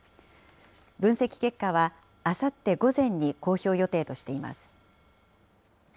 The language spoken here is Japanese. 分析結果はあさって午前に公表予定としています。